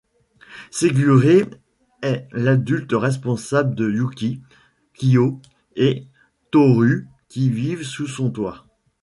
Shiguré est l'adulte responsable de Yuki, Kyo et Tohru, qui vivent sous son toit.